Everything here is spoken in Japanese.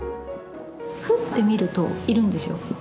ふって見るといるんですよ。